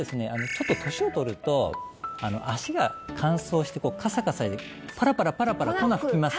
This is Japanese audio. ちょっと年を取ると足が乾燥してカサカサパラパラパラパラ粉吹きます